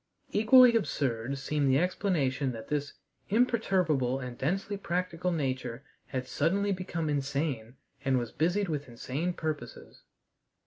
Equally absurd seemed the explanation that this imperturbable and densely practical nature had suddenly become insane and was busied with insane purposes.